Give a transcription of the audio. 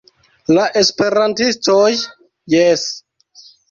La esperantistoj jes.